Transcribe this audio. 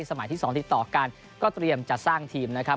สมัยที่๒ติดต่อกันก็เตรียมจะสร้างทีมนะครับ